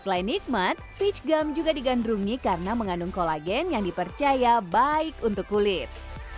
selain nikmat peach gum juga digandrungi karena mengandung kolagen yang dipercaya baik untuk kulit